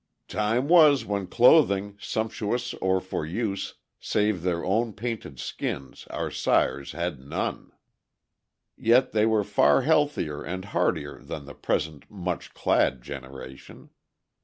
"'Time was when clothing, sumptuous or for use, Save their own painted skins, our sires had none.' "Yet they were far healthier and hardier than the present much clad generation.